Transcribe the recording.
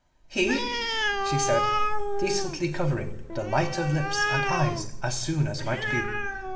"He?" she said, decently covering the light of lips and eyes as soon as might be.